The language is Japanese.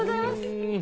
うん！